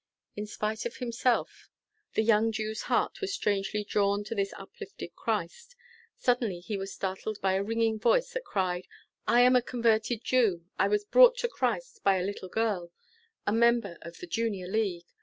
In spite of himself, the young Jew's heart was strangely drawn to this uplifted Christ. Suddenly he was startled by a ringing voice that cried: "I am a converted Jew. I was brought to Christ by a little girl a member of the Junior League.